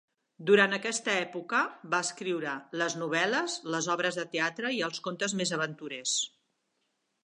Durant aquesta època, va escriure les novel·les, les obres de teatre i els contes més aventurers.